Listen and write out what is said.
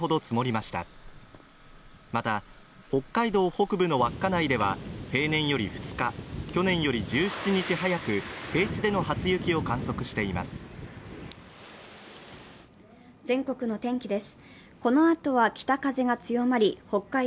また北海道北部の稚内では平年より２日、去年より１７日早く、平地での初雪を観測しています。